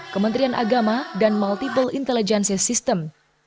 kementrian agama dan multiple intelligences system